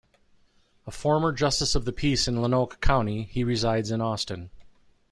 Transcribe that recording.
A former justice of the peace in Lonoke County, he resides in Austin.